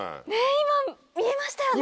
今見えましたよね！